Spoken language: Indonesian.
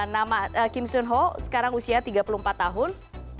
nama kim sun ho sekarang usia tiga puluh empat tahun